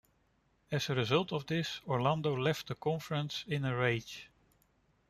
As a result of this, Orlando left the conference in a rage.